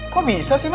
kok bisa sih ma